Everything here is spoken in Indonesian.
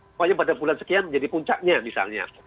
pokoknya pada bulan sekian menjadi puncaknya misalnya